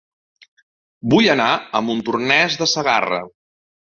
Vull anar a Montornès de Segarra